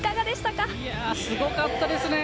すごかったですね。